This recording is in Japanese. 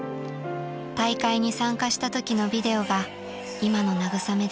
［大会に参加したときのビデオが今の慰めです］